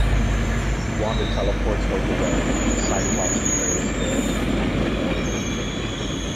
Wanda teleports Hope away and Cyclops declares that there will be no more Avengers.